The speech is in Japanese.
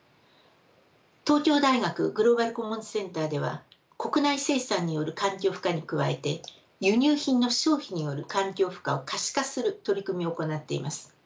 東京大学グローバル・コモンズ・センターでは国内生産による環境負荷に加えて輸入品の消費による環境負荷を可視化する取り組みを行っています。